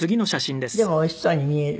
でもおいしそうに見える。